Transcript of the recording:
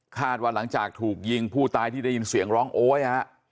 หลังจากถูกยิงผู้ตายที่ได้ยินเสียงร้องโอ๊ย